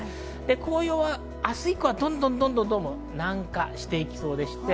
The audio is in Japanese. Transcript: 紅葉は明日以降はどんどん南下していきそうです。